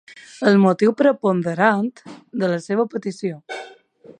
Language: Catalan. El motiu preponderant de la seva petició.